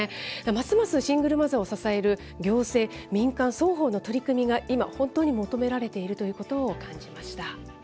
ますますシングルマザーを支える行政、民間双方の取り組みが今、本当に求められているということを感じました。